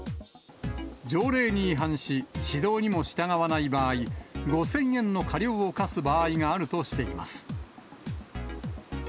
条例に違反し、指導にも従わない場合、５０００円の過料を科す場合があるとしています。